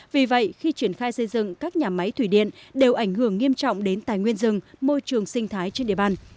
vì vậy khi triển khai xây dựng các nhà máy thủy điện đều ảnh hưởng nghiêm trọng đến tài nguyên rừng môi trường sinh thái trên địa bàn